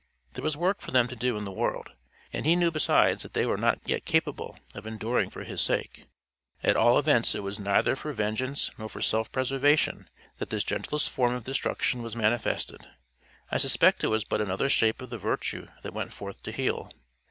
There was work for them to do in the world; and he knew besides that they were not yet capable of enduring for his sake. At all events it was neither for vengeance nor for self preservation that this gentlest form of destruction was manifested. I suspect it was but another shape of the virtue that went forth to heal.